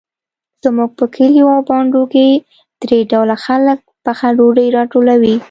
زموږ په کلیو او بانډو کې درې ډوله خلک پخه ډوډۍ راټولوي.